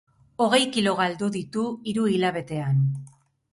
Hogei kilo galdu ditu hiru hilabetean.